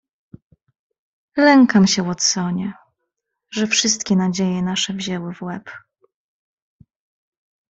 "Lękam się, Watsonie, że wszystkie nadzieje nasze wzięły w łeb."